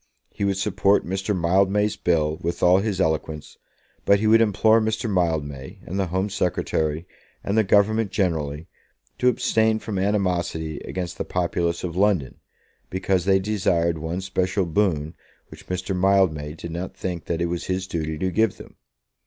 He would support Mr. Mildmay's bill with all his eloquence, but he would implore Mr. Mildmay, and the Home Secretary, and the Government generally, to abstain from animosity against the populace of London, because they desired one special boon which Mr. Mildmay did not think that it was his duty to give them.